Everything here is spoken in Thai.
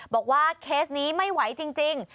บอกว่าเคสนี้ไม่ไหวจริง